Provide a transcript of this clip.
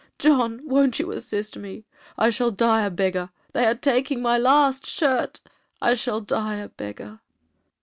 John, won't you assist me,—I shall die a beggar; they are taking my last shirt,—I shall die a beggar.'